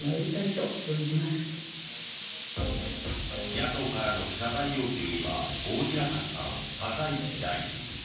野党からの謝罪要求には応じなかった高市大臣。